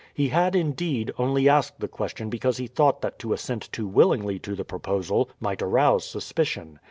He had, indeed, only asked the question because he thought that to assent too willingly to the proposal might arouse suspicion.